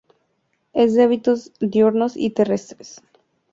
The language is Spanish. Es de hábitos diurnos y terrestres, generalmente se encuentra refugiada bajo rocas.